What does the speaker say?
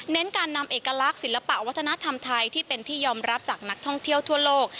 การนำเอกลักษณ์ศิลปะวัฒนธรรมไทยที่เป็นที่ยอมรับจากนักท่องเที่ยวทั่วโลก